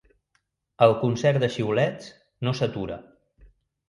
El concert de xiulets no s'atura.